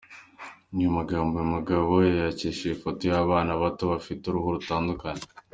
Aya magambo uyu mugabo yayaherekesheje ifoto y’abana bato bafite uruhu rutandukanye.